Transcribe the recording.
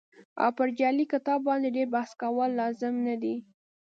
او پر جعلي کتاب باندې ډېر بحث کول لازم نه دي.